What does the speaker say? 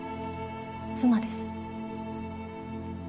妻です。